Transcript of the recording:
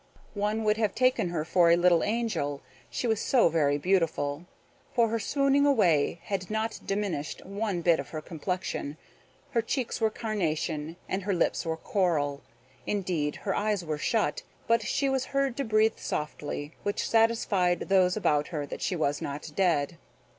One would have taken her for a little angel, she was so very beautiful; for her swooning away had not diminished one bit of her complexion; her cheeks were carnation, and her lips were coral; indeed, her eyes were shut, but she was heard to breathe softly, which satisfied those about her that she was not dead.